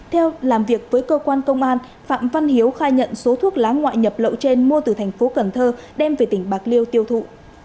theo làm việc với cơ quan công an phạm văn hiếu khai nhận số thuốc lá ngoại nhập lậu trên mua từ thành phố cần thơ đem về tỉnh bạc liêu tiêu thụ